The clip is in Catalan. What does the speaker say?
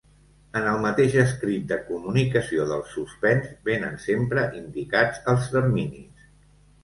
En el mateix escrit de comunicació del suspens venen sempre indicats els terminis.